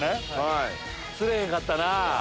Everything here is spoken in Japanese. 釣れへんかったな。